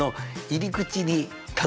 入り口か。